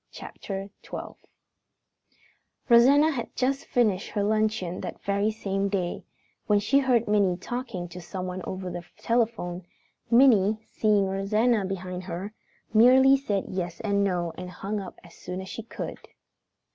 CHAPTER XII Rosanna had just finished her luncheon that very same day, when she heard Minnie talking to someone over the telephone. Minnie, seeing Rosanna behind her, merely said yes and no and hung up as soon as she could.